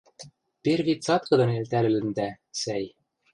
Перви цаткыдын элтӓлӹлӹндӓ, сӓй...